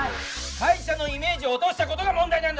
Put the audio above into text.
会社のイメージを落としたことが問題なんだ。